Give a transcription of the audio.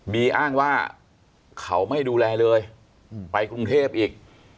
อ้างว่าเขาไม่ดูแลเลยไปกรุงเทพอีก